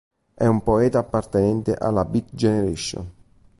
È un poeta appartenente alla Beat Generation.